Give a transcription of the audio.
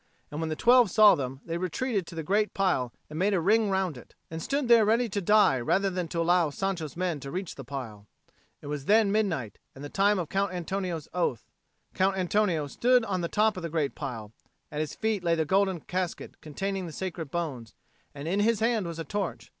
And when the twelve saw them, they retreated to the great pile and made a ring round it, and stood there ready to die rather than allow Sancho's men to reach the pile. It was then midnight and the time of Count Antonio's oath. Count Antonio stood on the top of the great pile; at his feet lay the golden casket containing the sacred bones, and in his hand was a torch.